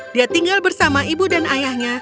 dia tinggal bersama ibu dan ayahnya